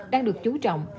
đang được chú trọng